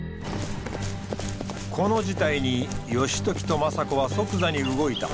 この事態に義時と政子は即座に動いた。